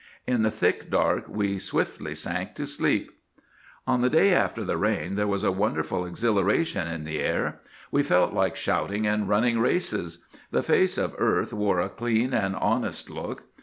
In the thick dark we swiftly sank to sleep. On the day after the rain, there was a wonderful exhilaration in the air. We felt like shouting and running races. The face of earth wore a clean and honest look.